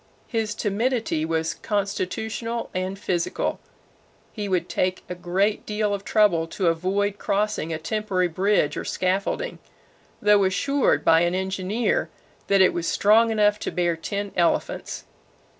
His timidity was constitutional and physical. He would take a great deal of trouble to avoid crossing a temporary bridge or scaffolding, though assured by an engineer that it was strong enough to bear ten elephants.